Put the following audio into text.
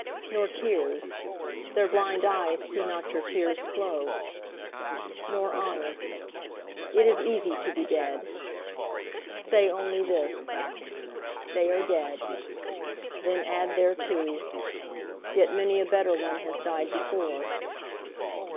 Nor tears. Their blind eyes see not your tears flow. Nor honour. It is easy to be dead. Say only this, 'They are dead.' Then add thereto, 'Yet many a better one has died before.'